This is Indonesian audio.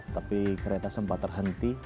tapi kereta sempat terhenti